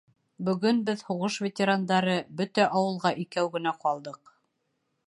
Бөгөн беҙ, һуғыш ветерандары, бөтә ауылға икәү генә ҡалдыҡ.